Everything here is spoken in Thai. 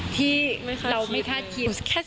ที่เรามีค่าคิด